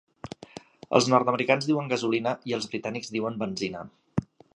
Els nord-americans diuen gasolina i els britànics diuen benzina.